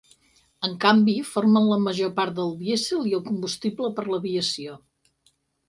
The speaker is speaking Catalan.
En canvi, formen la major part del dièsel i el combustible per a l'aviació.